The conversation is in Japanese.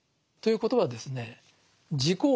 ということはですね